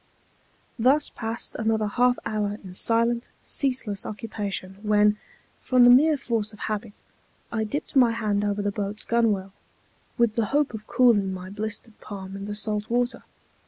Thus passed another half hour in silent, ceaseless occupation, when, from the mere force of habit, I dipped my hand over the boat's gunwale, with the hope of cooling my blistered palm in the salt water.